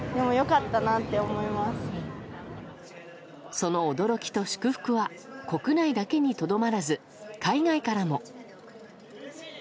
その驚きと祝福は国内だけにとどまらず海外からも。